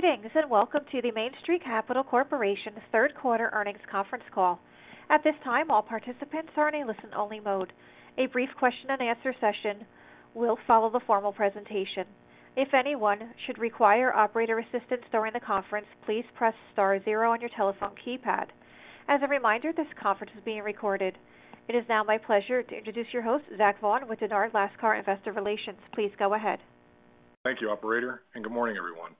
Greetings, and welcome to the Main Street Capital Corporation's third quarter earnings conference call. At this time, all participants are in a listen-only mode. A brief question-and-answer session will follow the formal presentation. If anyone should require operator assistance during the conference, please press star zero on your telephone keypad. As a reminder, this conference is being recorded. It is now my pleasure to introduce your host, Zach Vaughan, with Dennard Lascar Investor Relations. Please go ahead. Thank you, operator, and good morning, everyone.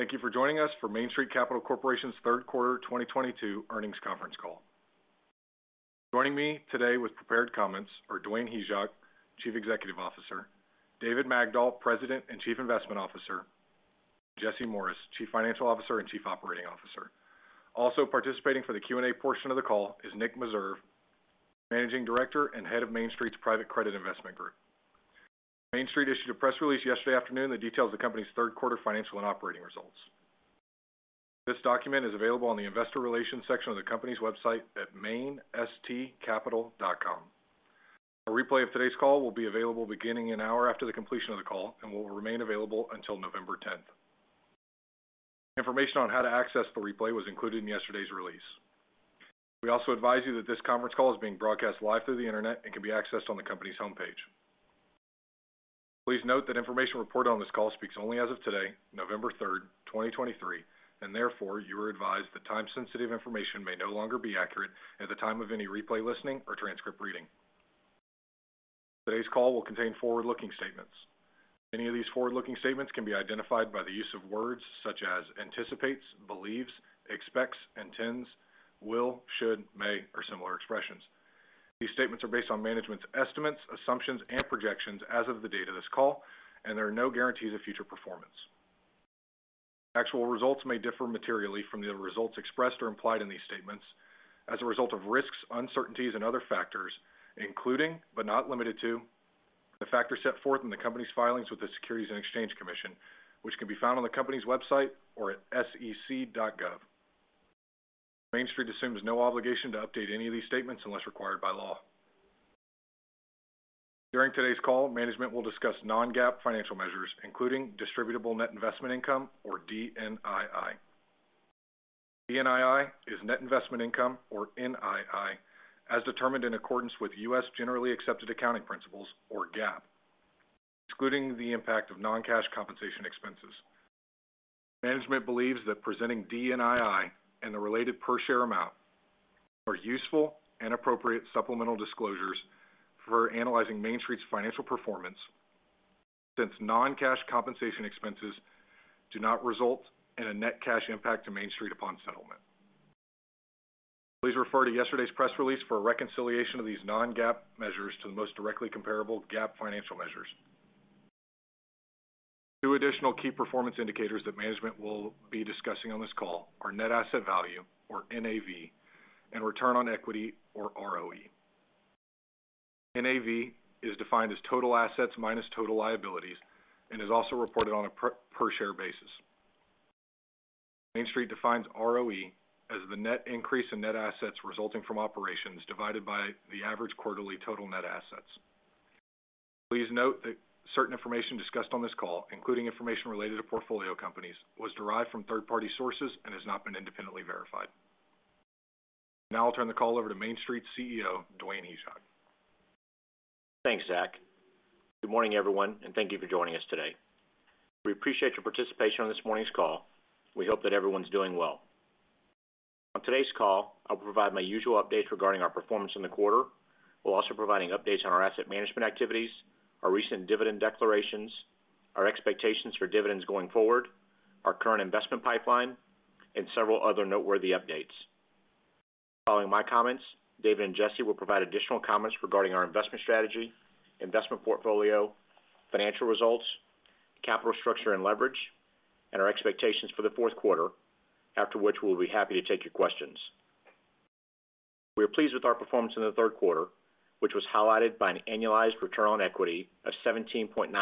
Thank you for joining us for Main Street Capital Corporation's third quarter 2022 earnings conference call. Joining me today with prepared comments are Dwayne Hyzak, Chief Executive Officer, David Magdol, President and Chief Investment Officer, and Jesse Morris, Chief Financial Officer and Chief Operating Officer. Also participating for the Q&A portion of the call is Nick Meserve, Managing Director and Head of Main Street's Private Credit Investment Group. Main Street issued a press release yesterday afternoon that details the company's third quarter financial and operating results. This document is available on the investor relations section of the company's website at mainstreetcapital.com. A replay of today's call will be available beginning an hour after the completion of the call and will remain available until November 10. Information on how to access the replay was included in yesterday's release. We also advise you that this conference call is being broadcast live through the internet and can be accessed on the company's homepage. Please note that information reported on this call speaks only as of today, November 3, 2023, and therefore you are advised that time-sensitive information may no longer be accurate at the time of any replay, listening, or transcript reading. Today's call will contain forward-looking statements. Many of these forward-looking statements can be identified by the use of words such as anticipates, believes, expects, intends, will, should, may, or similar expressions. These statements are based on management's estimates, assumptions, and projections as of the date of this call, and there are no guarantees of future performance. Actual results may differ materially from the results expressed or implied in these statements as a result of risks, uncertainties and other factors, including, but not limited to, the factors set forth in the Company's filings with the Securities and Exchange Commission, which can be found on the company's website or at sec.gov. Main Street assumes no obligation to update any of these statements unless required by law. During today's call, management will discuss non-GAAP financial measures, including distributable net investment income, or DNII. DNII is net investment income, or NII, as determined in accordance with U.S. generally accepted accounting principles, or GAAP, excluding the impact of non-cash compensation expenses. Management believes that presenting DNII and the related per share amount are useful and appropriate supplemental disclosures for analyzing Main Street's financial performance, since non-cash compensation expenses do not result in a net cash impact to Main Street upon settlement. Please refer to yesterday's press release for a reconciliation of these non-GAAP measures to the most directly comparable GAAP financial measures. Two additional key performance indicators that management will be discussing on this call are net asset value, or NAV, and return on equity, or ROE. NAV is defined as total assets minus total liabilities and is also reported on a per share basis. Main Street defines ROE as the net increase in net assets resulting from operations divided by the average quarterly total net assets. Please note that certain information discussed on this call, including information related to portfolio companies, was derived from third-party sources and has not been independently verified. Now I'll turn the call over to Main Street's CEO, Dwayne Hyzak. Thanks, Zach. Good morning, everyone, and thank you for joining us today. We appreciate your participation on this morning's call. We hope that everyone's doing well. On today's call, I'll provide my usual updates regarding our performance in the quarter, while also providing updates on our asset management activities, our recent dividend declarations, our expectations for dividends going forward, our current investment pipeline, and several other noteworthy updates. Following my comments, David and Jesse will provide additional comments regarding our investment strategy, investment portfolio, financial results, capital structure and leverage, and our expectations for the fourth quarter, after which we'll be happy to take your questions. We are pleased with our performance in the third quarter, which was highlighted by an annualized return on equity of 17.9%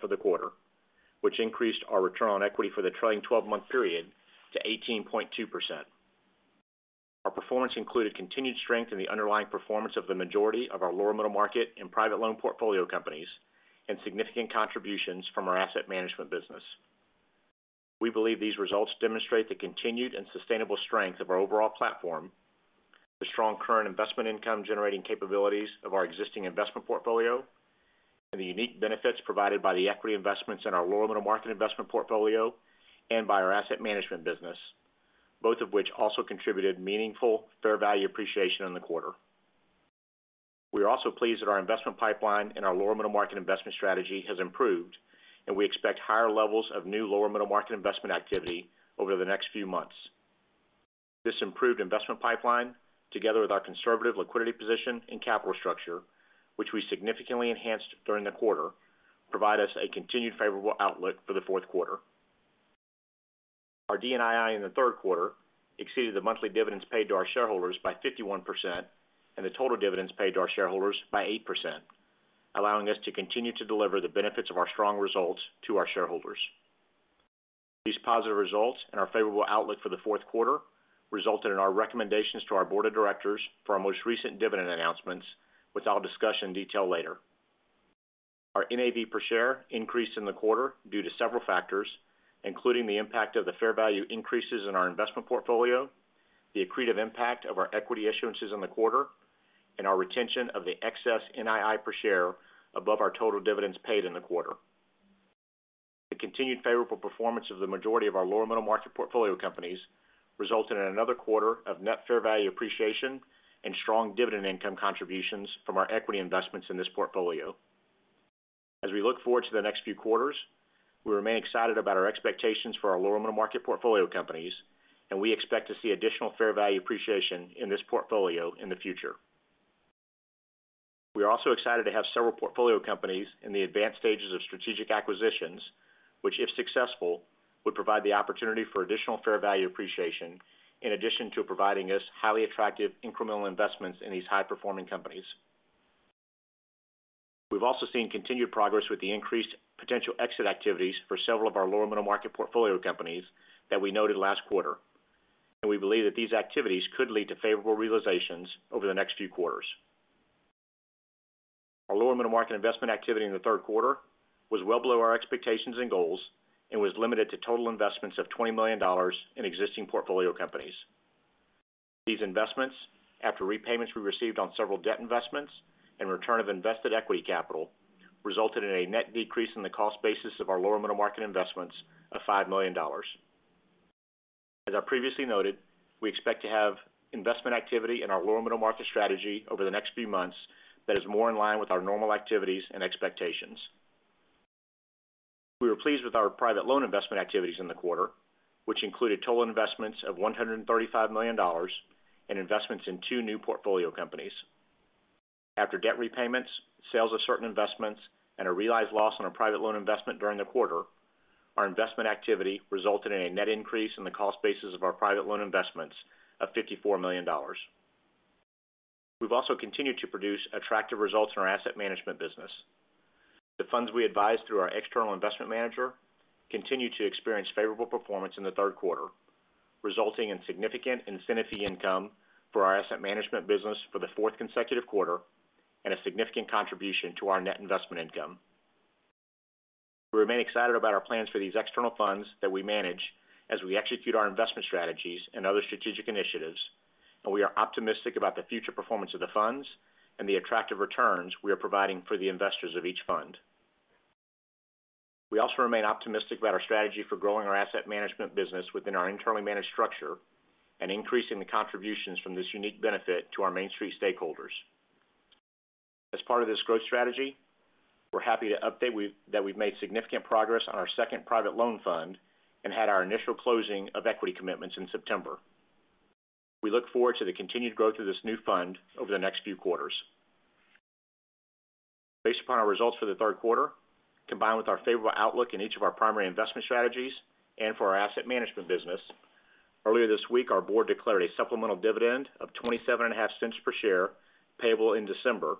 for the quarter, which increased our return on equity for the trailing 12-month period to 18.2%. Our performance included continued strength in the underlying performance of the majority of our lower middle market and private loan portfolio companies and significant contributions from our asset management business. We believe these results demonstrate the continued and sustainable strength of our overall platform, the strong current investment income-generating capabilities of our existing investment portfolio, and the unique benefits provided by the equity investments in our lower middle market investment portfolio and by our asset management business, both of which also contributed meaningful fair value appreciation in the quarter. We are also pleased that our investment pipeline and our lower middle market investment strategy has improved, and we expect higher levels of new lower middle market investment activity over the next few months. This improved investment pipeline, together with our conservative liquidity position and capital structure, which we significantly enhanced during the quarter, provide us a continued favorable outlook for the fourth quarter. Our DNII in the third quarter exceeded the monthly dividends paid to our shareholders by 51% and the total dividends paid to our shareholders by 8%, allowing us to continue to deliver the benefits of our strong results to our shareholders. These positive results and our favorable outlook for the fourth quarter resulted in our recommendations to our board of directors for our most recent dividend announcements, which I'll discuss in detail later.... Our NAV per share increased in the quarter due to several factors, including the impact of the fair value increases in our investment portfolio, the accretive impact of our equity issuances in the quarter, and our retention of the excess NII per share above our total dividends paid in the quarter. The continued favorable performance of the majority of our lower middle market portfolio companies resulted in another quarter of net fair value appreciation and strong dividend income contributions from our equity investments in this portfolio. As we look forward to the next few quarters, we remain excited about our expectations for our lower middle market portfolio companies, and we expect to see additional fair value appreciation in this portfolio in the future. We are also excited to have several portfolio companies in the advanced stages of strategic acquisitions, which, if successful, would provide the opportunity for additional fair value appreciation, in addition to providing us highly attractive incremental investments in these high-performing companies. We've also seen continued progress with the increased potential exit activities for several of our lower middle market portfolio companies that we noted last quarter, and we believe that these activities could lead to favorable realizations over the next few quarters. Our lower middle market investment activity in the third quarter was well below our expectations and goals and was limited to total investments of $20 million in existing portfolio companies. These investments, after repayments we received on several debt investments and return of invested equity capital, resulted in a net decrease in the cost basis of our lower middle market investments of $5 million. As I previously noted, we expect to have investment activity in our lower middle market strategy over the next few months that is more in line with our normal activities and expectations. We were pleased with our private loan investment activities in the quarter, which included total investments of $135 million and investments in two new portfolio companies. After debt repayments, sales of certain investments, and a realized loss on our private loan investment during the quarter, our investment activity resulted in a net increase in the cost basis of our private loan investments of $54 million. We've also continued to produce attractive results in our asset management business. The funds we advise through our external investment manager continue to experience favorable performance in the third quarter, resulting in significant incentive fee income for our asset management business for the fourth consecutive quarter and a significant contribution to our net investment income. We remain excited about our plans for these external funds that we manage as we execute our investment strategies and other strategic initiatives, and we are optimistic about the future performance of the funds and the attractive returns we are providing for the investors of each fund. We also remain optimistic about our strategy for growing our asset management business within our internally managed structure and increasing the contributions from this unique benefit to our Main Street stakeholders. As part of this growth strategy, we're happy to update that we've made significant progress on our second private loan fund and had our initial closing of equity commitments in September. We look forward to the continued growth of this new fund over the next few quarters. Based upon our results for the third quarter, combined with our favorable outlook in each of our primary investment strategies and for our asset management business, earlier this week, our board declared a supplemental dividend of $0.275 per share, payable in December,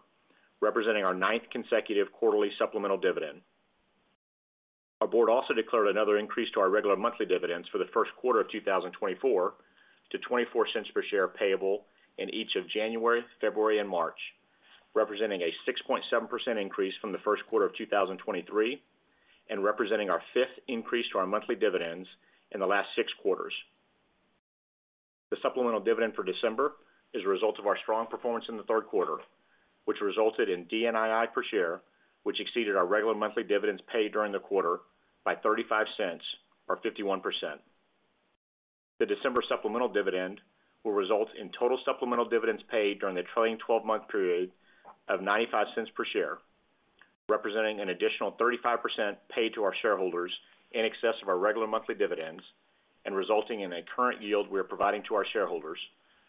representing our ninth consecutive quarterly supplemental dividend. Our board also declared another increase to our regular monthly dividends for the first quarter of 2024, to $0.24 per share, payable in each of January, February, and March, representing a 6.7% increase from the first quarter of 2023, and representing our fifth increase to our monthly dividends in the last six quarters. The supplemental dividend for December is a result of our strong performance in the third quarter, which resulted in DNII per share, which exceeded our regular monthly dividends paid during the quarter by $0.35, or 51%. The December supplemental dividend will result in total supplemental dividends paid during the trailing 12-month period of $0.95 per share, representing an additional 35% paid to our shareholders in excess of our regular monthly dividends and resulting in a current yield we are providing to our shareholders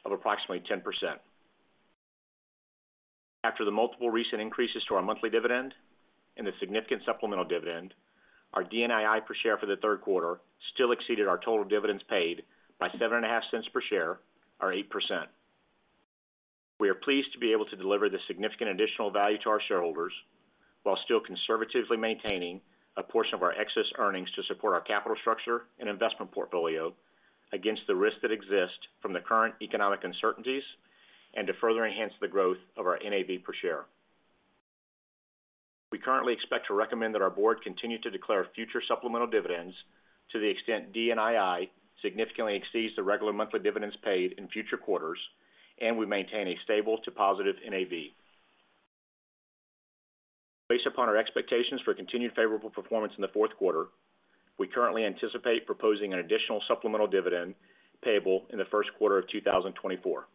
of approximately 10%. After the multiple recent increases to our monthly dividend and the significant supplemental dividend, our DNII per share for the third quarter still exceeded our total dividends paid by $0.075 per share, or 8%. We are pleased to be able to deliver this significant additional value to our shareholders while still conservatively maintaining a portion of our excess earnings to support our capital structure and investment portfolio against the risks that exist from the current economic uncertainties and to further enhance the growth of our NAV per share. We currently expect to recommend that our board continue to declare future supplemental dividends to the extent DNII significantly exceeds the regular monthly dividends paid in future quarters, and we maintain a stable to positive NAV. Based upon our expectations for continued favorable performance in the fourth quarter, we currently anticipate proposing an additional supplemental dividend payable in the first quarter of 2024.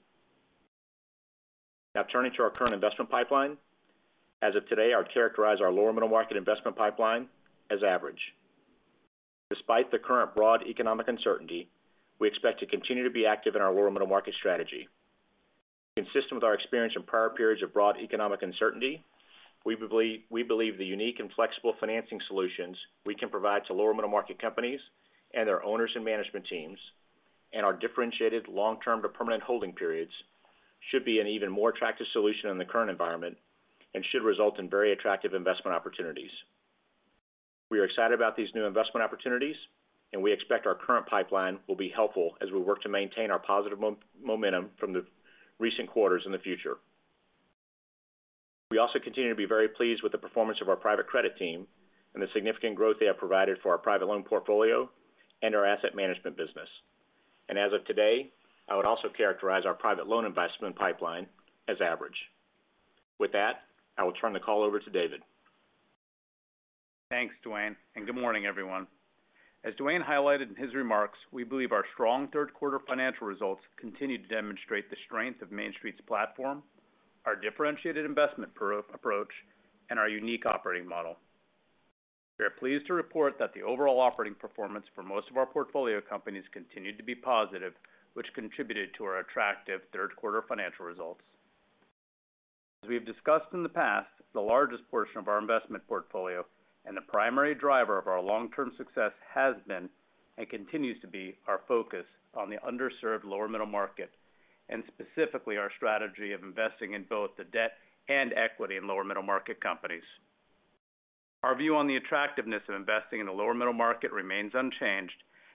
Now turning to our current investment pipeline. As of today, I'd characterize our lower middle market investment pipeline as average. Despite the current broad economic uncertainty, we expect to continue to be active in our lower middle market strategy. Consistent with our experience in prior periods of broad economic uncertainty, we believe the unique and flexible financing solutions we can provide to lower middle market companies and their owners and management teams, and our differentiated long-term to permanent holding periods, should be an even more attractive solution in the current environment and should result in very attractive investment opportunities. We are excited about these new investment opportunities, and we expect our current pipeline will be helpful as we work to maintain our positive momentum from the recent quarters in the future. We also continue to be very pleased with the performance of our private credit team and the significant growth they have provided for our private loan portfolio and our asset management business. And as of today, I would also characterize our private loan investment pipeline as average. With that, I will turn the call over to David. Thanks, Dwayne, and good morning, everyone. As Dwayne highlighted in his remarks, we believe our strong third quarter financial results continue to demonstrate the strength of Main Street's platform, our differentiated investment approach, and our unique operating model. We are pleased to report that the overall operating performance for most of our portfolio companies continued to be positive, which contributed to our attractive third quarter financial results. As we've discussed in the past, the largest portion of our investment portfolio and the primary driver of our long-term success has been, and continues to be, our focus on the underserved lower middle market, and specifically, our strategy of investing in both the debt and equity in lower middle market companies. Our view on the attractiveness of investing in the lower middle market remains unchanged,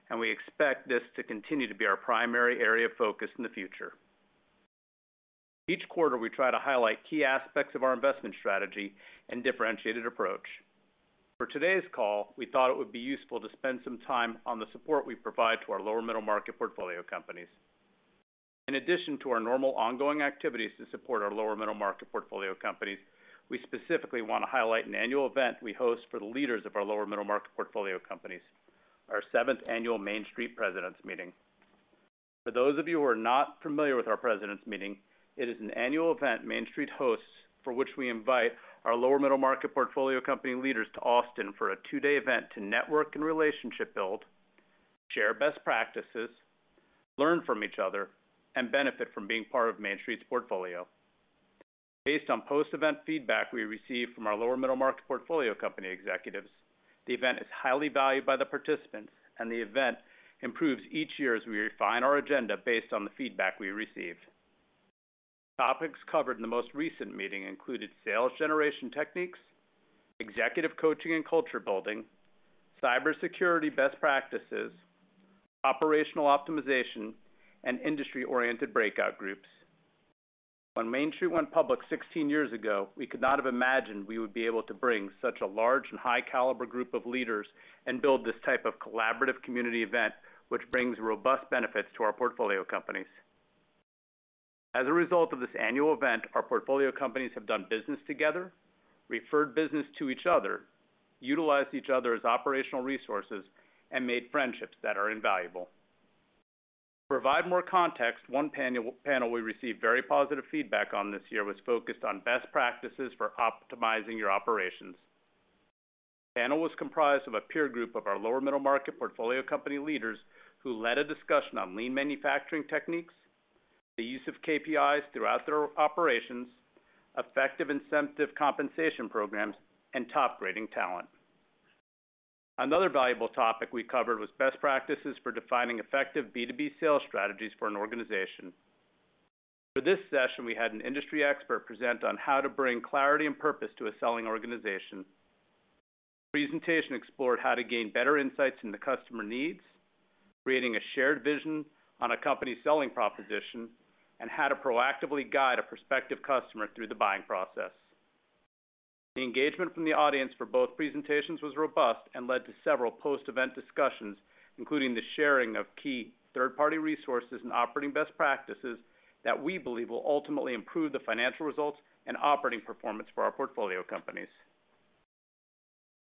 and we expect this to continue to be our primary area of focus in the future. Each quarter, we try to highlight key aspects of our investment strategy and differentiated approach. For today's call, we thought it would be useful to spend some time on the support we provide to our lower middle market portfolio companies. In addition to our normal ongoing activities to support our lower middle market portfolio companies, we specifically want to highlight an annual event we host for the leaders of our lower middle market portfolio companies, our seventh annual Main Street Presidents Meeting. For those of you who are not familiar with our Presidents Meeting, it is an annual event Main Street hosts, for which we invite our lower middle market portfolio company leaders to Austin for a two-day event to network and relationship build, share best practices, learn from each other, and benefit from being part of Main Street's portfolio. Based on post-event feedback we received from our lower middle market portfolio company executives, the event is highly valued by the participants, and the event improves each year as we refine our agenda based on the feedback we receive. Topics covered in the most recent meeting included sales generation techniques, executive coaching and culture building, cybersecurity best practices, operational optimization, and industry-oriented breakout groups. When Main Street went public 16 years ago, we could not have imagined we would be able to bring such a large and high-caliber group of leaders and build this type of collaborative community event, which brings robust benefits to our portfolio companies. As a result of this annual event, our portfolio companies have done business together, referred business to each other, utilized each other's operational resources, and made friendships that are invaluable. To provide more context, one panel we received very positive feedback on this year was focused on best practices for optimizing your operations. The panel was comprised of a peer group of our lower middle market portfolio company leaders, who led a discussion on lean manufacturing techniques, the use of KPIs throughout their operations, effective incentive compensation programs, and top-grading talent. Another valuable topic we covered was best practices for defining effective B2B sales strategies for an organization. For this session, we had an industry expert present on how to bring clarity and purpose to a selling organization. The presentation explored how to gain better insights into customer needs, creating a shared vision on a company's selling proposition, and how to proactively guide a prospective customer through the buying process. The engagement from the audience for both presentations was robust and led to several post-event discussions, including the sharing of key third-party resources and operating best practices that we believe will ultimately improve the financial results and operating performance for our portfolio companies.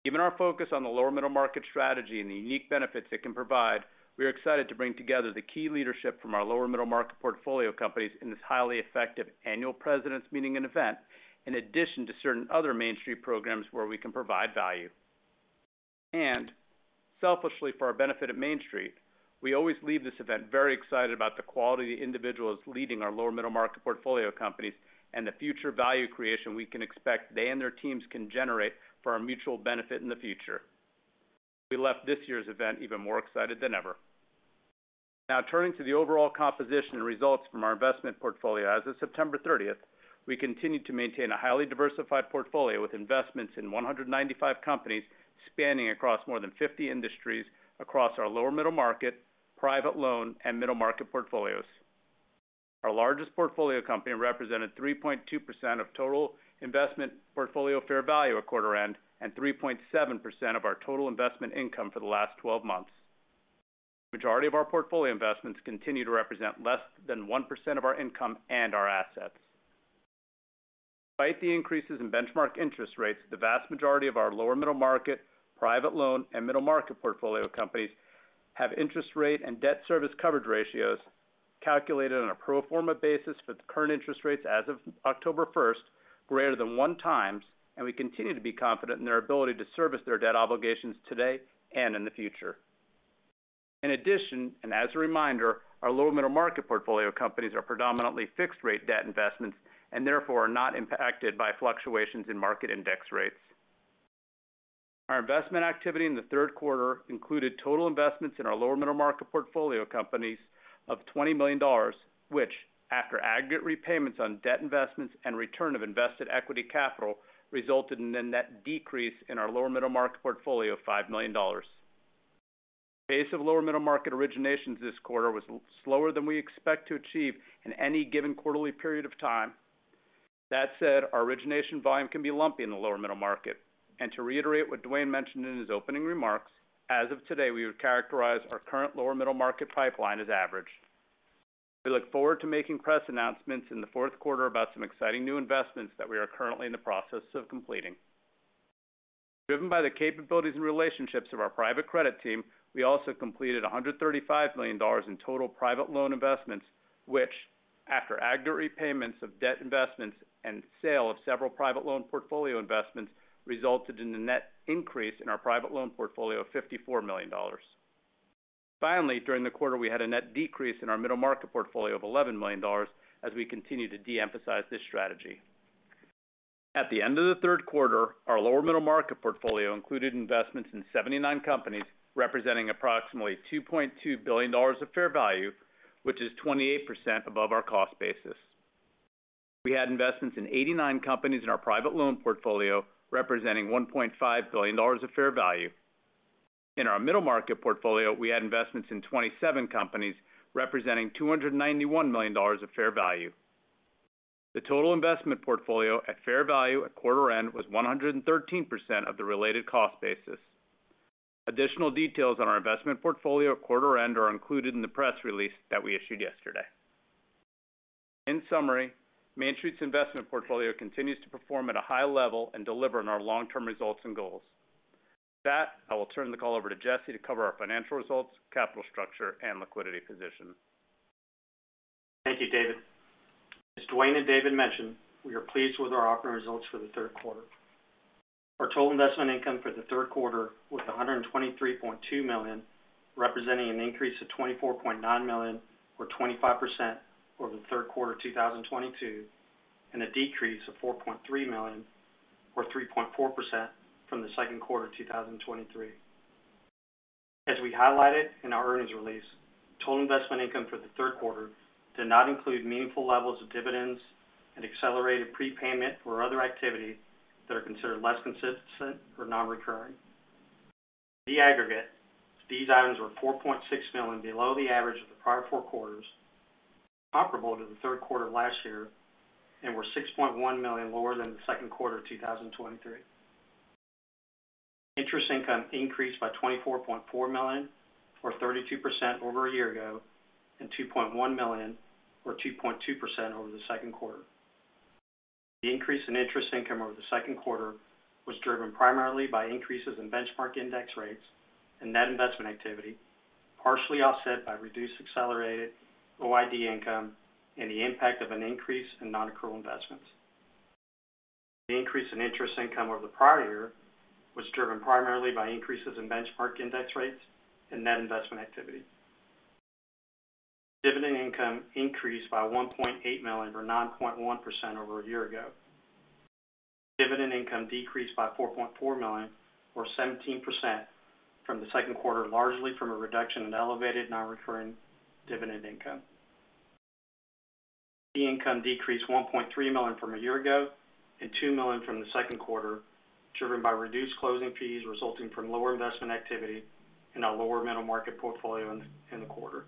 Given our focus on the lower middle market strategy and the unique benefits it can provide, we are excited to bring together the key leadership from our lower middle market portfolio companies in this highly effective annual presidents meeting and event, in addition to certain other Main Street programs where we can provide value. And selfishly, for our benefit at Main Street, we always leave this event very excited about the quality of the individuals leading our lower middle market portfolio companies and the future value creation we can expect they and their teams can generate for our mutual benefit in the future. We left this year's event even more excited than ever. Now, turning to the overall composition and results from our investment portfolio. As of September 30th, we continued to maintain a highly diversified portfolio with investments in 195 companies, spanning across more than 50 industries across our lower middle market, private loan, and middle market portfolios. Our largest portfolio company represented 3.2% of total investment portfolio fair value at quarter end and 3.7% of our total investment income for the last 12 months. Majority of our portfolio investments continue to represent less than 1% of our income and our assets. Despite the increases in benchmark interest rates, the vast majority of our lower middle market, private loan, and middle market portfolio companies have interest rate and debt service coverage ratios calculated on a pro forma basis with the current interest rates as of October first, greater than 1x, and we continue to be confident in their ability to service their debt obligations today and in the future. In addition, and as a reminder, our lower middle market portfolio companies are predominantly fixed rate debt investments and therefore are not impacted by fluctuations in market index rates. Our investment activity in the third quarter included total investments in our lower middle market portfolio companies of $20 million, which, after aggregate repayments on debt investments and return of invested equity capital, resulted in a net decrease in our lower middle market portfolio of $5 million.... Pace of lower middle market originations this quarter was slower than we expect to achieve in any given quarterly period of time. That said, our origination volume can be lumpy in the lower middle market. To reiterate what Dwayne mentioned in his opening remarks, as of today, we would characterize our current lower middle market pipeline as average. We look forward to making press announcements in the fourth quarter about some exciting new investments that we are currently in the process of completing. Driven by the capabilities and relationships of our private credit team, we also completed $135 million in total private loan investments, which, after aggregate repayments of debt investments and sale of several private loan portfolio investments, resulted in a net increase in our private loan portfolio of $54 million. Finally, during the quarter, we had a net decrease in our middle market portfolio of $11 million as we continue to de-emphasize this strategy. At the end of the third quarter, our lower middle market portfolio included investments in 79 companies, representing approximately $2.2 billion of fair value, which is 28% above our cost basis. We had investments in 89 companies in our private loan portfolio, representing $1.5 billion of fair value. In our middle market portfolio, we had investments in 27 companies, representing $291 million of fair value. The total investment portfolio at fair value at quarter end was 113% of the related cost basis. Additional details on our investment portfolio at quarter end are included in the press release that we issued yesterday. In summary, Main Street's investment portfolio continues to perform at a high level and deliver on our long-term results and goals. With that, I will turn the call over to Jesse to cover our financial results, capital structure, and liquidity position. Thank you, David. As Dwayne and David mentioned, we are pleased with our operating results for the third quarter. Our total investment income for the third quarter was $123.2 million, representing an increase of $24.9 million, or 25%, over the third quarter of 2022, and a decrease of $4.3 million, or 3.4%, from the second quarter of 2023. As we highlighted in our earnings release, total investment income for the third quarter did not include meaningful levels of dividends and accelerated prepayment or other activity that are considered less consistent or non-recurring. In the aggregate, these items were $4.6 million below the average of the prior four quarters, comparable to the third quarter of last year, and were $6.1 million lower than the second quarter of 2023. Interest income increased by $24.4 million, or 32%, over a year ago, and $2.1 million, or 2.2%, over the second quarter. The increase in interest income over the second quarter was driven primarily by increases in benchmark index rates and net investment activity, partially offset by reduced accelerated OID income and the impact of an increase in non-accrual investments. The increase in interest income over the prior year was driven primarily by increases in benchmark index rates and net investment activity. Dividend income increased by $1.8 million, or 9.1%, over a year ago. Dividend income decreased by $4.4 million, or 17%, from the second quarter, largely from a reduction in elevated non-recurring dividend income. Fee income decreased $1.3 million from a year ago and $2 million from the second quarter, driven by reduced closing fees resulting from lower investment activity and a lower middle market portfolio in the quarter.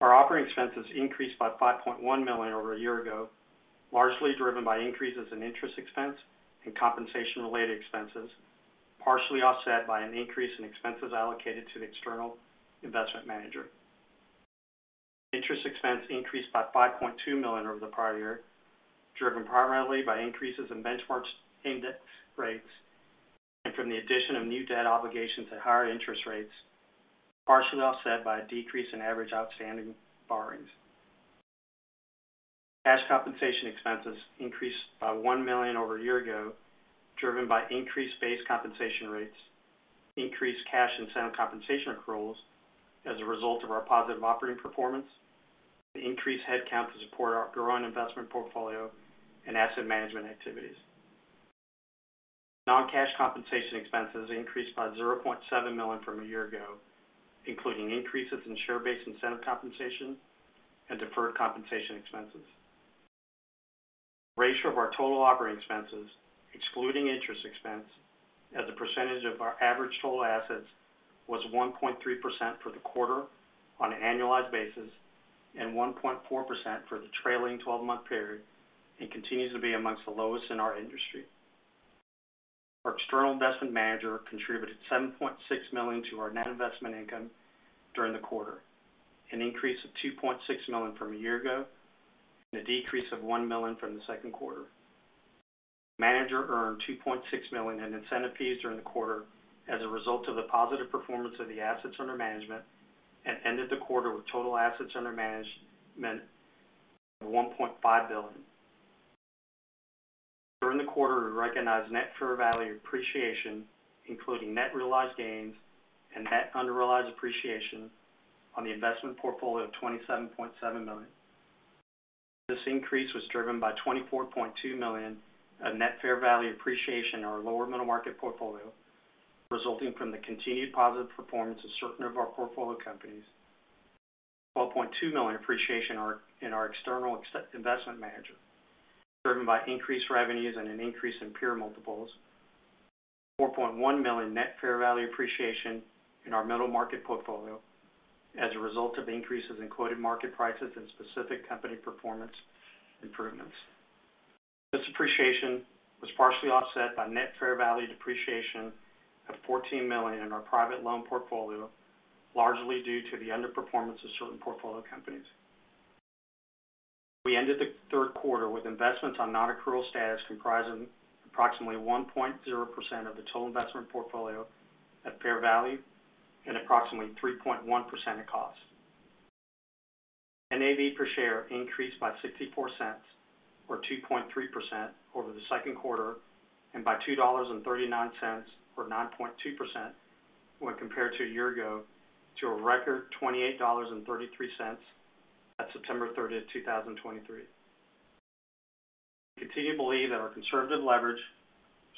Our operating expenses increased by $5.1 million over a year ago, largely driven by increases in interest expense and compensation-related expenses, partially offset by an increase in expenses allocated to the external investment manager. Interest expense increased by $5.2 million over the prior year, driven primarily by increases in benchmark index rates and from the addition of new debt obligations at higher interest rates, partially offset by a decrease in average outstanding borrowings. Cash compensation expenses increased by $1 million over a year ago, driven by increased base compensation rates, increased cash incentive compensation accruals as a result of our positive operating performance, and increased headcount to support our growing investment portfolio and asset management activities. Non-cash compensation expenses increased by $0.7 million from a year ago, including increases in share-based incentive compensation and deferred compensation expenses. The ratio of our total operating expenses, excluding interest expense, as a percentage of our average total assets, was 1.3% for the quarter on an annualized basis and 1.4% for the trailing twelve-month period, and continues to be among the lowest in our industry. Our external investment manager contributed $7.6 million to our net investment income during the quarter, an increase of $2.6 million from a year ago, and a decrease of $1 million from the second quarter. Manager earned $2.6 million in incentive fees during the quarter as a result of the positive performance of the assets under management, and ended the quarter with total assets under management of $1.5 billion. During the quarter, we recognized net fair value appreciation, including net realized gains and net unrealized appreciation on the investment portfolio of $27.7 million. This increase was driven by $24.2 million of net fair value appreciation in our lower middle market portfolio, resulting from the continued positive performance of certain of our portfolio companies,... $12.2 million appreciation in our external asset investment manager, driven by increased revenues and an increase in peer multiples. $4.1 million net fair value appreciation in our middle market portfolio as a result of increases in quoted market prices and specific company performance improvements. This appreciation was partially offset by net fair value depreciation of $14 million in our private loan portfolio, largely due to the underperformance of certain portfolio companies. We ended the third quarter with investments on non-accrual status, comprising approximately 1.0% of the total investment portfolio at fair value and approximately 3.1% at cost. NAV per share increased by $0.64, or 2.3%, over the second quarter and by $2.39, or 9.2%, when compared to a year ago, to a record $28.33 at September 30th, 2023. We continue to believe that our conservative leverage,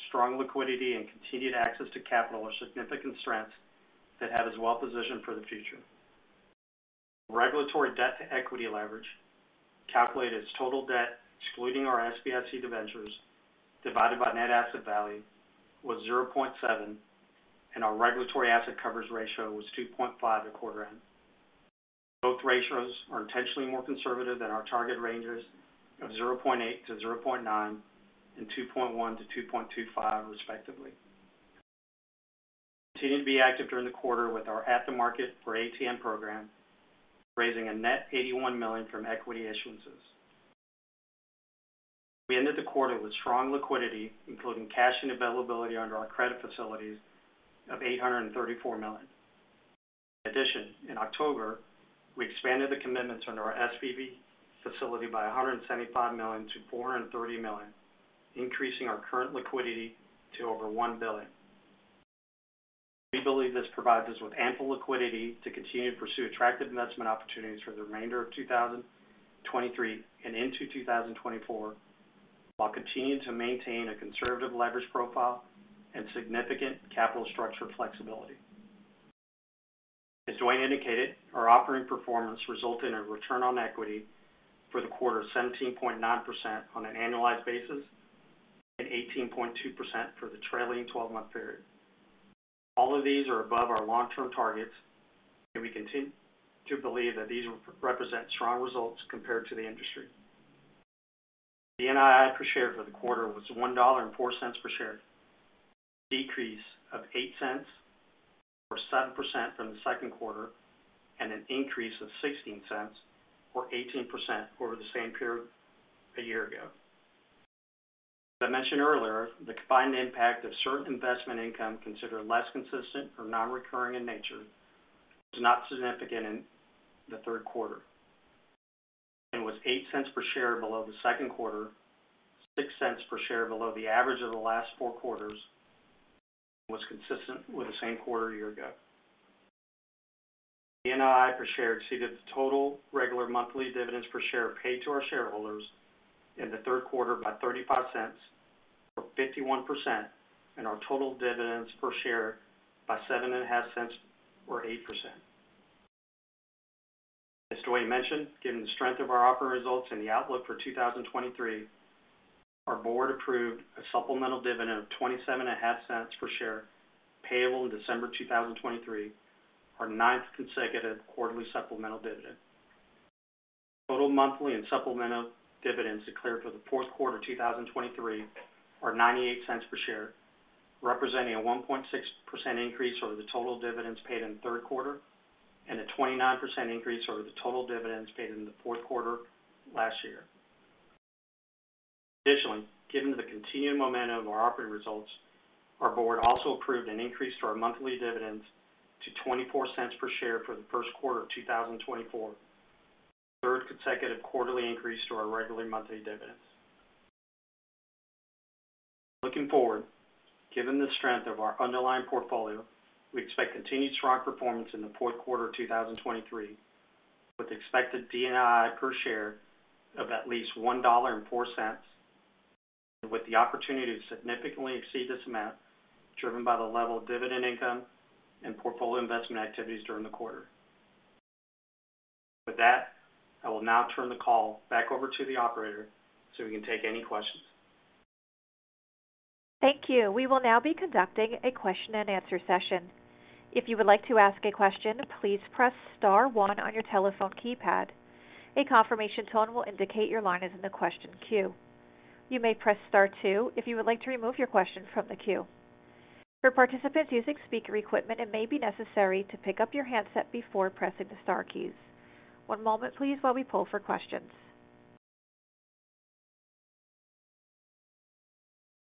strong liquidity, and continued access to capital are significant strengths that have us well positioned for the future. Regulatory debt to equity leverage, calculated as total debt, excluding our SBIC debentures, divided by net asset value, was 0.7, and our regulatory asset coverage ratio was 2.5 at quarter end. Both ratios are intentionally more conservative than our target ranges of 0.8-0.9 and 2.1-2.25, respectively. Continue to be active during the quarter with our at-the-market, or ATM, program, raising a net $81 million from equity issuances. We ended the quarter with strong liquidity, including cash and availability under our credit facilities of $834 million. In addition, in October, we expanded the commitments under our SPV facility by $175 million-$430 million, increasing our current liquidity to over $1 billion. We believe this provides us with ample liquidity to continue to pursue attractive investment opportunities for the remainder of 2023 and into 2024, while continuing to maintain a conservative leverage profile and significant capital structure flexibility. As Dwayne indicated, our operating performance resulted in a return on equity for the quarter of 17.9% on an annualized basis and 18.2% for the trailing twelve-month period. All of these are above our long-term targets, and we continue to believe that these represent strong results compared to the industry. The NII per share for the quarter was $1.04 per share, a decrease of 8 cents or 7% from the second quarter, and an increase of 16 cents or 18% over the same period a year ago. As I mentioned earlier, the combined impact of certain investment income considered less consistent or non-recurring in nature was not significant in the third quarter and was $0.08 per share below the second quarter, $0.06 per share below the average of the last four quarters, and was consistent with the same quarter a year ago. NII per share exceeded the total regular monthly dividends per share paid to our shareholders in the third quarter by $0.35 or 51%, and our total dividends per share by $0.075 or 8%. As Dwayne mentioned, given the strength of our operating results and the outlook for 2023, our board approved a supplemental dividend of $0.275 per share, payable in December 2023, our ninth consecutive quarterly supplemental dividend. Total monthly and supplemental dividends declared for the fourth quarter 2023 are $0.98 per share, representing a 1.6% increase over the total dividends paid in the third quarter and a 29% increase over the total dividends paid in the fourth quarter last year. Additionally, given the continued momentum of our operating results, our board also approved an increase to our monthly dividends to $0.24 per share for the first quarter of 2024, the third consecutive quarterly increase to our regular monthly dividends. Looking forward, given the strength of our underlying portfolio, we expect continued strong performance in the fourth quarter of 2023, with expected DNII per share of at least $1.04, and with the opportunity to significantly exceed this amount, driven by the level of dividend income and portfolio investment activities during the quarter. With that, I will now turn the call back over to the operator so we can take any questions. Thank you. We will now be conducting a question and answer session. If you would like to ask a question, please press star one on your telephone keypad. A confirmation tone will indicate your line is in the question queue. You may press Star two if you would like to remove your question from the queue. For participants using speaker equipment, it may be necessary to pick up your handset before pressing the star keys. One moment, please, while we pull for questions.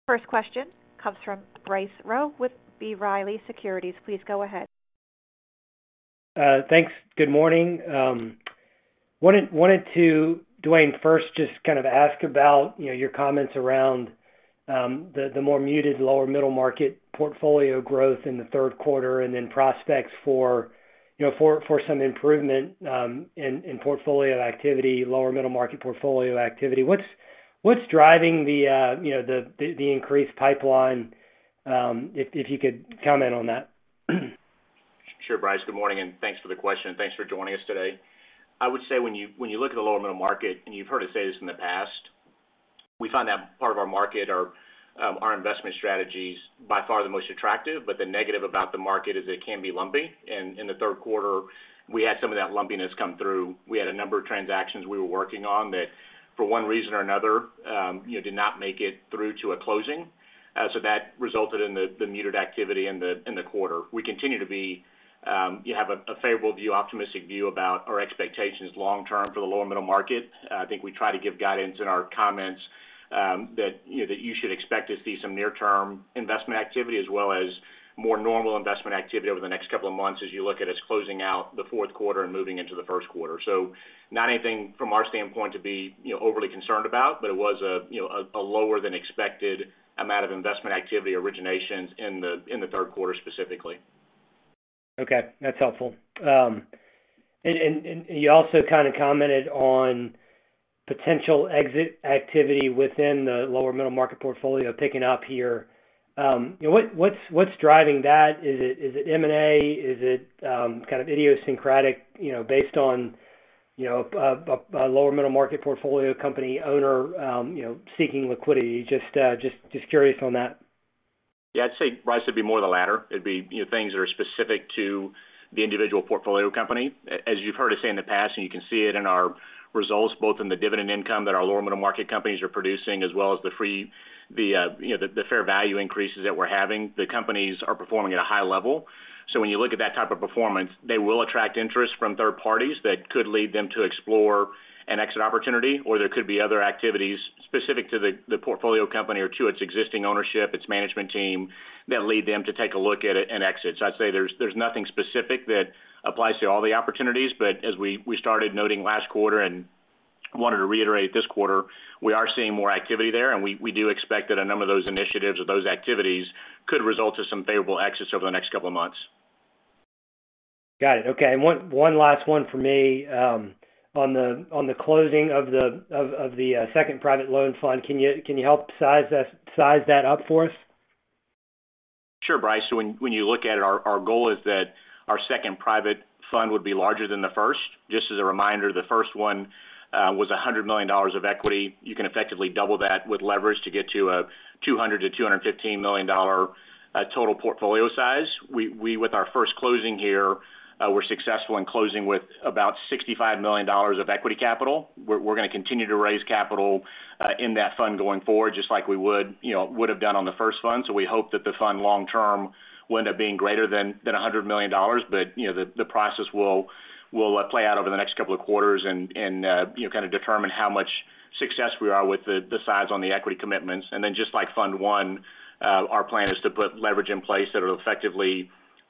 First question comes from Bryce Rowe with B. Riley Securities. Please go ahead. Thanks. Good morning. Wanted to, Dwayne, first just kind of ask about, you know, your comments around the more muted lower middle market portfolio growth in the third quarter and then prospects for, you know, for some improvement in portfolio activity, lower middle market portfolio activity. What's driving the, you know, the increased pipeline? If you could comment on that? Sure, Bryce. Good morning, and thanks for the question. Thanks for joining us today. I would say when you, when you look at the lower middle market, and you've heard us say this in the past, we find that part of our market or, our investment strategy is by far the most attractive, but the negative about the market is it can be lumpy. In the third quarter, we had some of that lumpiness come through. We had a number of transactions we were working on that, for one reason or another, you know, did not make it through to a closing. So that resulted in the muted activity in the quarter. We continue to be, you have a favorable view, optimistic view about our expectations long term for the lower middle market. I think we try to give guidance in our comments, that, you know, that you should expect to see some near-term investment activity, as well as more normal investment activity over the next couple of months as you look at us closing out the fourth quarter and moving into the first quarter. So not anything from our standpoint to be, you know, overly concerned about, but it was, you know, a lower than expected amount of investment activity originations in the third quarter, specifically. Okay, that's helpful. And you also kind of commented on potential exit activity within the lower middle market portfolio picking up here. You know, what's driving that? Is it M&A? Is it kind of idiosyncratic, you know, based on, you know, a lower middle market portfolio company owner seeking liquidity? Just curious on that. Yeah, I'd say, Bryce, it'd be more the latter. It'd be, you know, things that are specific to the individual portfolio company. As you've heard us say in the past, and you can see it in our results, both in the dividend income that our lower middle market companies are producing, as well as the, you know, the fair value increases that we're having, the companies are performing at a high level. So when you look at that type of performance, they will attract interest from third parties that could lead them to explore an exit opportunity, or there could be other activities specific to the portfolio company or to its existing ownership, its management team, that lead them to take a look at it and exit. So I'd say there's nothing specific that applies to all the opportunities, but as we started noting last quarter, and wanted to reiterate this quarter, we are seeing more activity there, and we do expect that a number of those initiatives or those activities could result to some favorable exits over the next couple of months. Got it. Okay, and one last one for me. On the closing of the second private loan fund, can you help size that up for us? Sure, Bryce. So when you look at it, our goal is that our second private fund would be larger than the first. Just as a reminder, the first one was $100 million of equity. You can effectively double that with leverage to get to a $200-$215 million total portfolio size. We, with our first closing here, we're successful in closing with about $65 million of equity capital. We're gonna continue to raise capital in that fund going forward, just like we would, you know, have done on the first fund. So we hope that the fund long term will end up being greater than a $100 million. But, you know, the process will play out over the next couple of quarters and, you know, kind of determine how much success we are with the size on the equity commitments. And then just like fund one, our plan is to put leverage in place that will effectively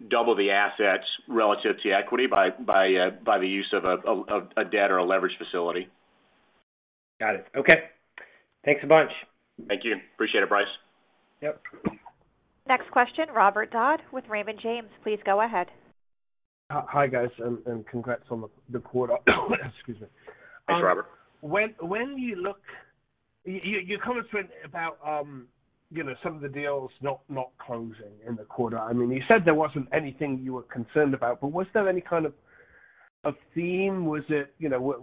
double the assets relative to equity by the use of a debt or a leverage facility. Got it. Okay. Thanks a bunch. Thank you. Appreciate it, Bryce. Yep. Next question, Robert Dodd with Raymond James. Please go ahead. Hi, guys, and congrats on the quarter. Excuse me. Thanks, Robert. When you look, you commented about, you know, some of the deals not closing in the quarter. I mean, you said there wasn't anything you were concerned about, but was there any kind of a theme? Was it, you know,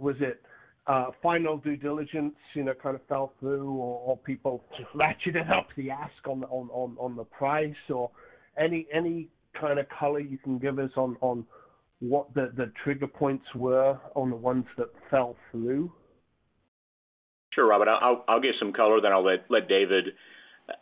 final due diligence, you know, kind of fell through, or people just latching to help the ask on the price? Or any kind of color you can give us on what the trigger points were on the ones that fell through? Sure, Robert. I'll give some color, then I'll let David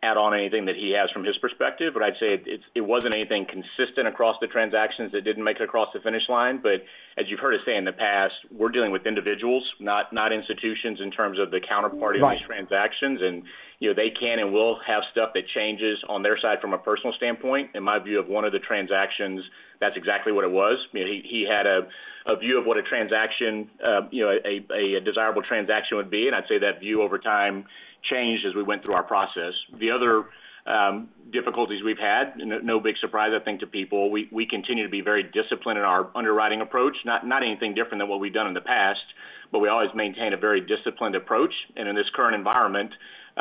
add on anything that he has from his perspective. But I'd say it wasn't anything consistent across the transactions that didn't make it across the finish line. But as you've heard us say in the past, we're dealing with individuals, not institutions, in terms of the counterparty- Right of these transactions. And, you know, they can and will have stuff that changes on their side from a personal standpoint. In my view, of one of the transactions, that's exactly what it was. I mean, he had a view of what a transaction, you know, a desirable transaction would be, and I'd say that view over time changed as we went through our process. The other difficulties we've had, no big surprise, I think, to people, we continue to be very disciplined in our underwriting approach. Not anything different than what we've done in the past, but we always maintain a very disciplined approach. In this current environment,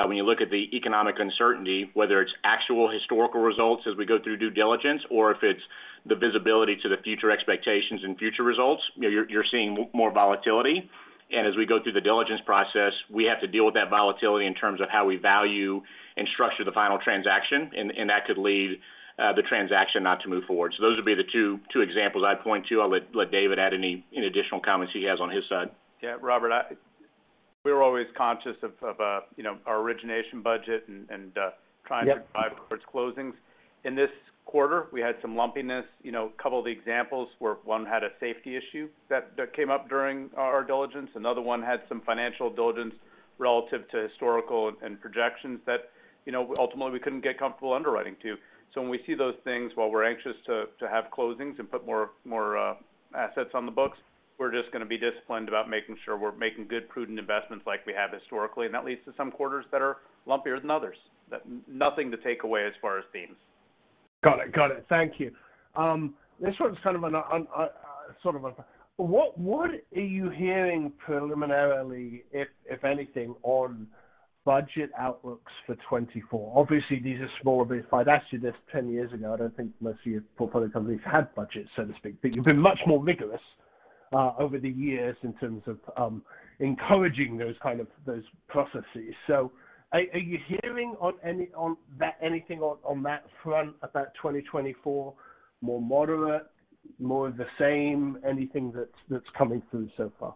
when you look at the economic uncertainty, whether it's actual historical results as we go through due diligence or if it's the visibility to the future expectations and future results, you know, you're seeing more volatility. And as we go through the diligence process, we have to deal with that volatility in terms of how we value and structure the final transaction, and that could lead the transaction not to move forward. So those would be the two examples I'd point to. I'll let David add any additional comments he has on his side. Yeah, Robert, we're always conscious of, you know, our origination budget and, Yep... trying to provide towards closings. In this quarter, we had some lumpiness, you know, a couple of the examples where one had a safety issue that came up during our diligence. Another one had some financial diligence relative to historical and projections that, you know, ultimately we couldn't get comfortable underwriting to. So when we see those things, while we're anxious to have closings and put more assets on the books, we're just gonna be disciplined about making sure we're making good, prudent investments like we have historically, and that leads to some quarters that are lumpier than others. But nothing to take away as far as themes. ... Got it. Got it. Thank you. This one's kind of a sort of a—what are you hearing preliminarily, if anything, on budget outlooks for 2024? Obviously, these are smaller. But if I'd asked you this 10 years ago, I don't think most of your portfolio companies had budgets, so to speak. But you've been much more rigorous over the years in terms of encouraging those kind of those processes. So are you hearing anything on that front about 2024? More moderate, more of the same, anything that's coming through so far?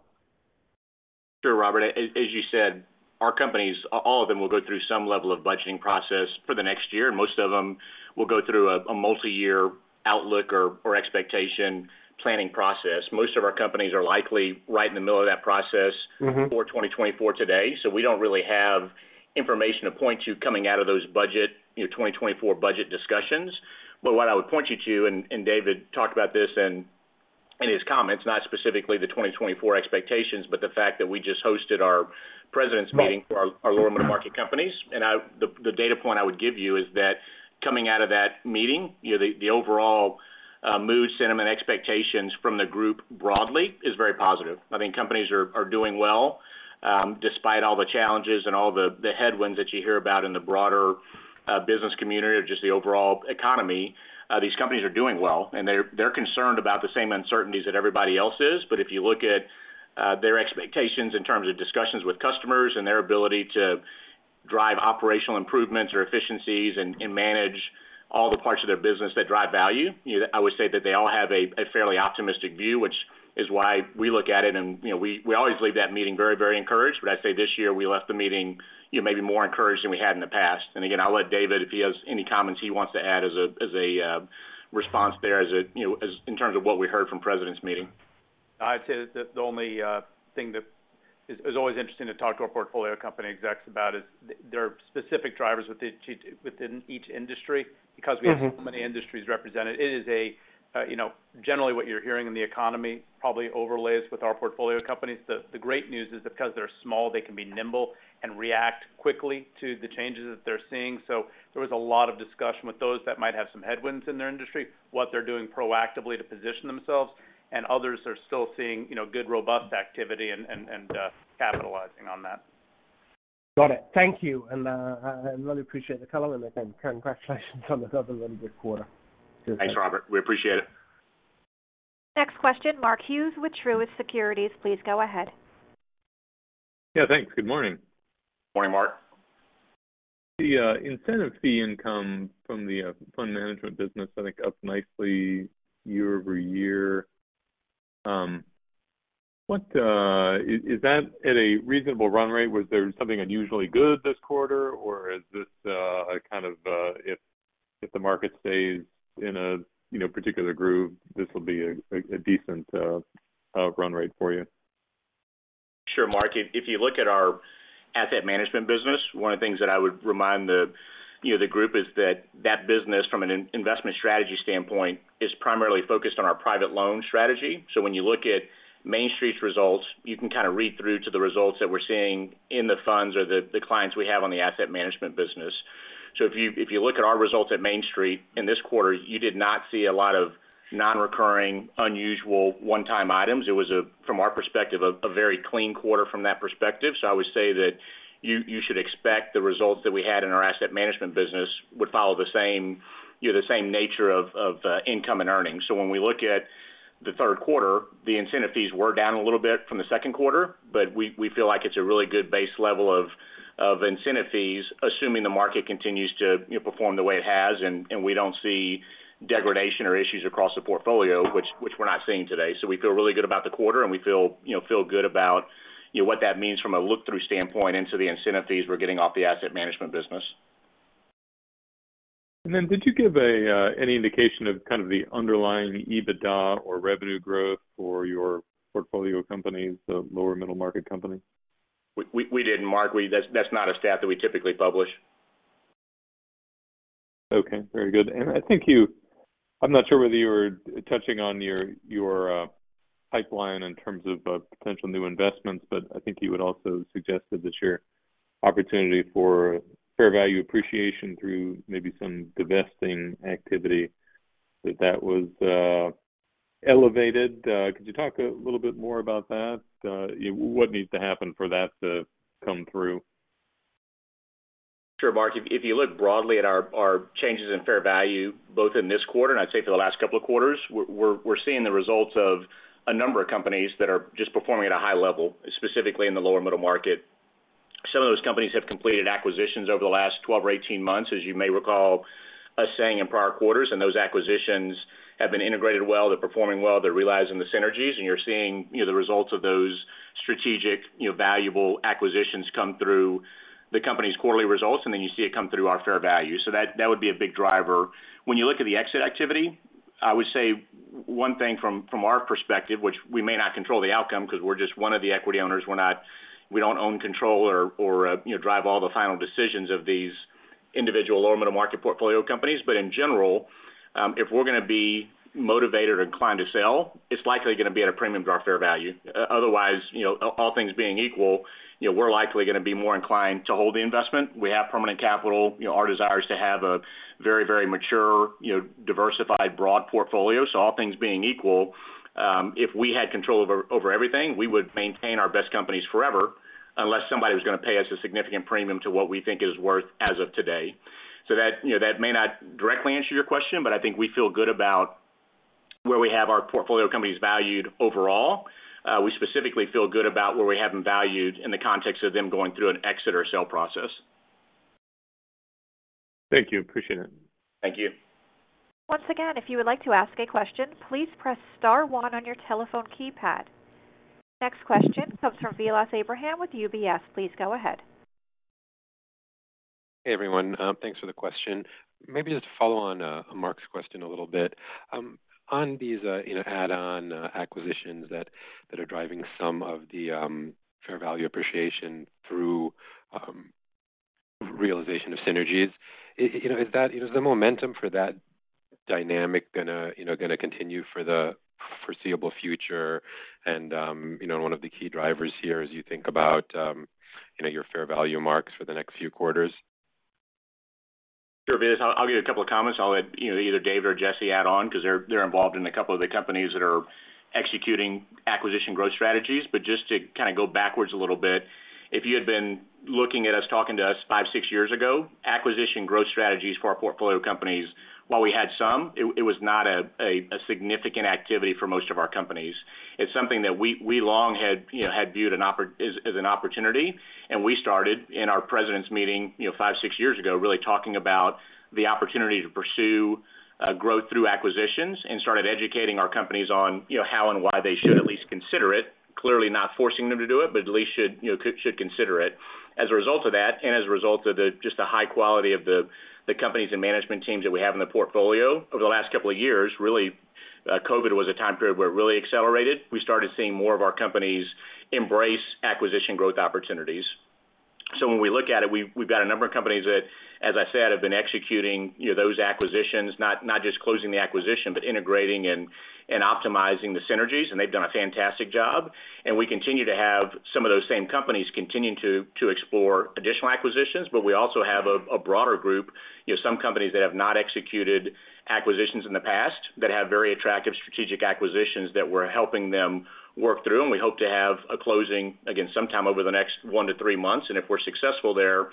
Sure, Robert. As you said, our companies, all of them will go through some level of budgeting process for the next year, and most of them will go through a multi-year outlook or expectation planning process. Most of our companies are likely right in the middle of that process. Mm-hmm. -for 2024 today. So we don't really have information to point to coming out of those budget, you know, 2024 budget discussions. But what I would point you to, and, and David talked about this in, in his comments, not specifically the 2024 expectations, but the fact that we just hosted our Presidents' Meeting- Right. for our lower middle market companies. The data point I would give you is that coming out of that meeting, you know, the overall mood, sentiment, expectations from the group broadly is very positive. I think companies are doing well, despite all the challenges and all the headwinds that you hear about in the broader business community or just the overall economy. These companies are doing well, and they're concerned about the same uncertainties that everybody else is. But if you look at their expectations in terms of discussions with customers and their ability to drive operational improvements or efficiencies and manage all the parts of their business that drive value, you know, I would say that they all have a fairly optimistic view, which is why we look at it. You know, we always leave that meeting very, very encouraged. But I'd say this year we left the meeting, you know, maybe more encouraged than we had in the past. Again, I'll let David, if he has any comments he wants to add as a response there, as, you know, as in terms of what we heard from the President's Meeting. I'd say that the only thing that is, is always interesting to talk to our portfolio company execs about is there are specific drivers within each industry. Mm-hmm. Because we have so many industries represented. It is a, you know, generally what you're hearing in the economy, probably overlays with our portfolio companies. The great news is because they're small, they can be nimble and react quickly to the changes that they're seeing. So there was a lot of discussion with those that might have some headwinds in their industry, what they're doing proactively to position themselves, and others are still seeing, you know, good, robust activity and capitalizing on that. Got it. Thank you, and, I really appreciate the color, and again, congratulations on another wonderful quarter. Thanks, Robert. We appreciate it. Next question, Mark Hughes with Truist Securities. Please go ahead. Yeah, thanks. Good morning. Morning, Mark. The incentive fee income from the fund management business, I think, up nicely year over year. Is that at a reasonable run rate? Was there something unusually good this quarter, or is this a kind of if the market stays in a you know particular groove, this will be a decent run rate for you? Sure, Mark. If you look at our asset management business, one of the things that I would remind you know the group is that that business, from an investment strategy standpoint, is primarily focused on our private loan strategy. So when you look at Main Street's results, you can kind of read through to the results that we're seeing in the funds or the clients we have on the asset management business. So if you look at our results at Main Street in this quarter, you did not see a lot of non-recurring, unusual, one-time items. It was, from our perspective, a very clean quarter from that perspective. So I would say that you should expect the results that we had in our asset management business would follow the same, you know, the same nature of income and earnings. So when we look at the third quarter, the incentive fees were down a little bit from the second quarter, but we feel like it's a really good base level of incentive fees, assuming the market continues to, you know, perform the way it has, and we don't see degradation or issues across the portfolio, which we're not seeing today. So we feel really good about the quarter, and we feel, you know, good about, you know, what that means from a look-through standpoint into the incentive fees we're getting off the asset management business. Then did you give any indication of kind of the underlying EBITDA or revenue growth for your portfolio companies, the lower middle market companies? We didn't, Mark. That's not a stat that we typically publish. Okay, very good. And I think you—I'm not sure whether you were touching on your pipeline in terms of potential new investments, but I think you would also suggest that your opportunity for fair value appreciation through maybe some divesting activity, that that was elevated. Could you talk a little bit more about that? What needs to happen for that to come through? Sure, Mark. If you look broadly at our changes in fair value, both in this quarter and I'd say for the last couple of quarters, we're seeing the results of a number of companies that are just performing at a high level, specifically in the lower middle market. Some of those companies have completed acquisitions over the last 12 or 18 months, as you may recall us saying in prior quarters, and those acquisitions have been integrated well. They're performing well, they're realizing the synergies, and you're seeing, you know, the results of those strategic, you know, valuable acquisitions come through the company's quarterly results, and then you see it come through our fair value. So that would be a big driver. When you look at the exit activity, I would say one thing from our perspective, which we may not control the outcome because we're just one of the equity owners. We're not. We don't own control or you know, drive all the final decisions of these individual lower middle market portfolio companies. But in general, if we're going to be motivated or inclined to sell, it's likely going to be at a premium to our fair value. Otherwise, you know, all things being equal, you know, we're likely going to be more inclined to hold the investment. We have permanent capital. You know, our desire is to have a very, very mature, you know, diversified, broad portfolio. So all things being equal... If we had control over everything, we would maintain our best companies forever, unless somebody was going to pay us a significant premium to what we think is worth as of today. So that, you know, that may not directly answer your question, but I think we feel good about where we have our portfolio companies valued overall. We specifically feel good about where we have them valued in the context of them going through an exit or sale process. Thank you. Appreciate it. Thank you. Once again, if you would like to ask a question, please press star one on your telephone keypad. Next question comes from Vilas Abraham with UBS. Please go ahead. Hey, everyone, thanks for the question. Maybe just to follow on, Mark's question a little bit. On these, you know, add-on acquisitions that, that are driving some of the, fair value appreciation through, realization of synergies, you know, is that, is the momentum for that dynamic gonna, you know, gonna continue for the foreseeable future? And, you know, one of the key drivers here, as you think about, you know, your fair value marks for the next few quarters? Sure, Vilas. I'll give you a couple of comments. I'll let you know either Dave or Jesse add on, because they're involved in a couple of the companies that are executing acquisition growth strategies. But just to kind of go backwards a little bit, if you had been looking at us, talking to us 5, 6 years ago, acquisition growth strategies for our portfolio companies, while we had some, it was not a significant activity for most of our companies. It's something that we long had, you know, had viewed as an opportunity. And we started in our Presidents' Meeting, you know, 5, 6 years ago, really talking about the opportunity to pursue growth through acquisitions and started educating our companies on, you know, how and why they should at least consider it. Clearly not forcing them to do it, but at least should, you know, should consider it. As a result of that, and as a result of just the high quality of the companies and management teams that we have in the portfolio over the last couple of years, really, COVID was a time period where it really accelerated. We started seeing more of our companies embrace acquisition growth opportunities. So when we look at it, we've got a number of companies that, as I said, have been executing, you know, those acquisitions, not just closing the acquisition, but integrating and optimizing the synergies, and they've done a fantastic job. And we continue to have some of those same companies continuing to explore additional acquisitions. But we also have a broader group, you know, some companies that have not executed acquisitions in the past that have very attractive strategic acquisitions that we're helping them work through. And we hope to have a closing again sometime over the next 1-3 months. And if we're successful there,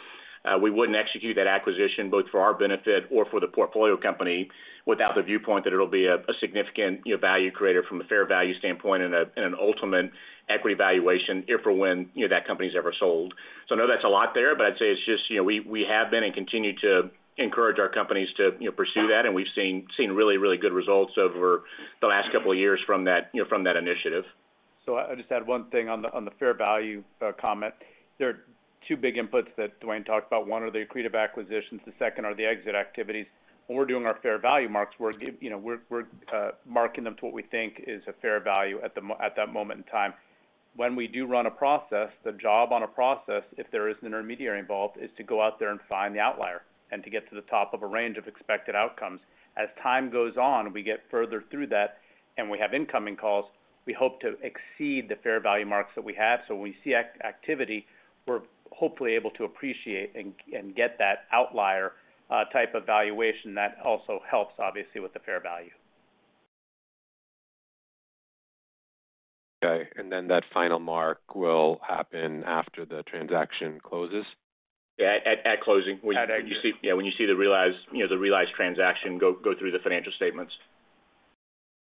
we wouldn't execute that acquisition, both for our benefit or for the portfolio company, without the viewpoint that it'll be a significant, you know, value creator from a fair value standpoint and an ultimate equity valuation if or when, you know, that company is ever sold. So I know that's a lot there, but I'd say it's just, you know, we have been and continue to encourage our companies to, you know, pursue that, and we've seen really good results over the last couple of years from that, you know, from that initiative. So I'll just add one thing on the, on the fair value, comment. There are two big inputs that Dwayne talked about. One are the accretive acquisitions, the second are the exit activities. When we're doing our fair value marks, we're, you know, we're, we're, marking them to what we think is a fair value at that moment in time. When we do run a process, the job on a process, if there is an intermediary involved, is to go out there and find the outlier and to get to the top of a range of expected outcomes. As time goes on, we get further through that and we have incoming calls, we hope to exceed the fair value marks that we have. So when we see activity, we're hopefully able to appreciate and get that outlier, type of valuation. That also helps, obviously, with the fair value. Okay, and then that final mark will happen after the transaction closes? Yeah, at closing. At exiting. Yeah, when you see the realized, you know, the realized transaction go through the financial statements.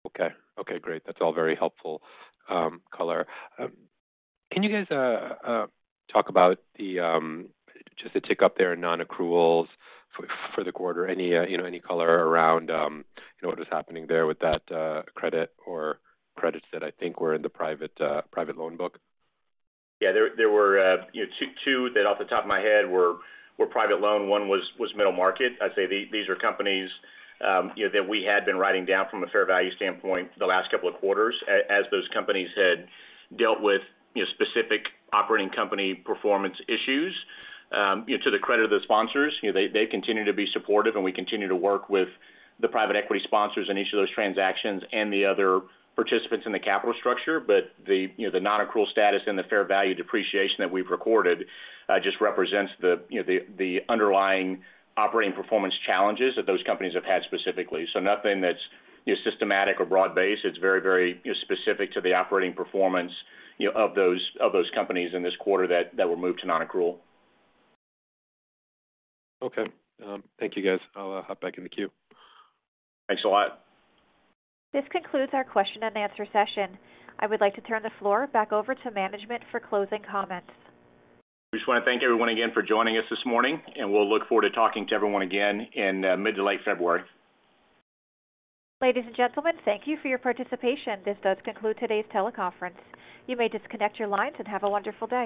Okay. Okay, great. That's all very helpful, color. Can you guys talk about just the tick up there in non-accruals for the quarter? Any you know, any color around you know, what was happening there with that credit or credits that I think were in the private loan book? Yeah, there were, you know, two that off the top of my head were private loan. One was middle market. I'd say these are companies, you know, that we had been writing down from a fair value standpoint the last couple of quarters, as those companies had dealt with, you know, specific operating company performance issues. You know, to the credit of the sponsors, you know, they continue to be supportive and we continue to work with the private equity sponsors in each of those transactions and the other participants in the capital structure. But the, you know, the non-accrual status and the fair value depreciation that we've recorded just represents the, you know, the underlying operating performance challenges that those companies have had specifically. So nothing that's, you know, systematic or broad-based. It's very, very, you know, specific to the operating performance, you know, of those companies in this quarter that were moved to non-accrual. Okay. Thank you, guys. I'll hop back in the queue. Thanks a lot. This concludes our question and answer session. I would like to turn the floor back over to management for closing comments. We just want to thank everyone again for joining us this morning, and we'll look forward to talking to everyone again in mid to late February. Ladies and gentlemen, thank you for your participation. This does conclude today's teleconference. You may disconnect your lines and have a wonderful day.